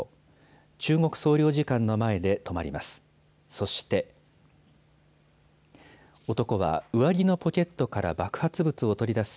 中国総領事館の前で止まります。